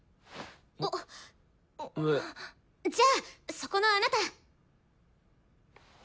じゃあそこのあなた！